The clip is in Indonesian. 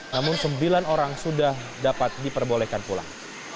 namun sembilan orang sudah dapat diperbolehkan pulang